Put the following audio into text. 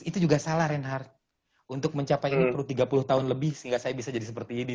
itu juga salah reinhardt untuk mencapai tiga puluh tahun lebih sehingga saya bisa jadi seperti ini